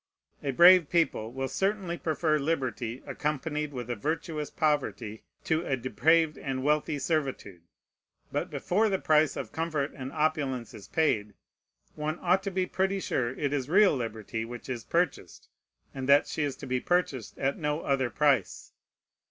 A brave people will certainly prefer liberty accompanied with a virtuous poverty to a depraved and wealthy servitude. But before the price of comfort and opulence is paid, one ought to be pretty sure it is real liberty which is purchased, and that she is to be purchased at no other price.